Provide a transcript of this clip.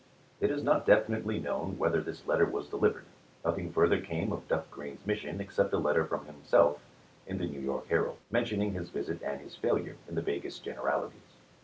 It is not definitely known whether this letter was delivered. Nothing further came of Duff Green's mission except a letter from himself in the " New 288 ABKAHAM LINCOLN ch. xviii. York Herald " mentioning his visit and his failure, in the vaguest generalities.